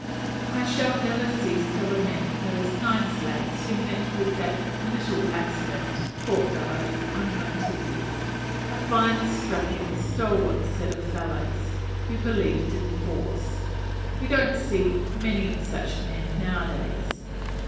I shall never cease to lament those nice lads who met with that little accident (poor fellows!) on Motiti. A fine, strapping, stalwart set of fellows, who believed in force. We don't see many such men now a days.